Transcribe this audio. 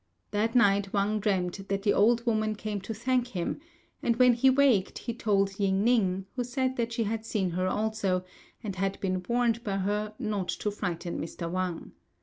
That night Wang dreamt that the old woman came to thank him, and when he waked he told Ying ning, who said that she had seen her also, and had been warned by her not to frighten Mr. Wang.